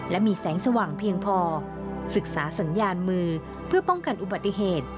และมีแสงสว่างเพียงพอศึกษาสัญญาณมือเพื่อป้องกันอุบัติเหตุ